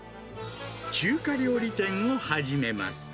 中華料理店を始めます。